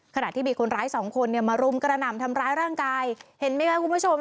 ขณะที่มีคนร้ายสองคนเนี่ยมารุมกระหน่ำทำร้ายร่างกายเห็นไหมคะคุณผู้ชม